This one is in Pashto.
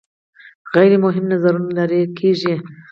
غیر مهم نظرونه لرې کیږي.